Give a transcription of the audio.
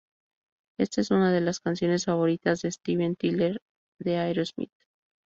Esta es una de las canciones favoritas de Steven Tyler de Aerosmith.